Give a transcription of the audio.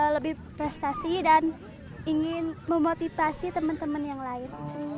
lebih prestasi dan ingin memotivasi teman teman yang lain